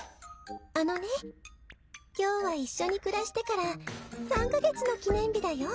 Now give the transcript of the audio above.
「あのね今日は一緒に暮らしてから３か月の記念日だよ。